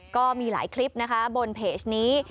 ก็มีหลายคลิปนะคะบนเพจนี้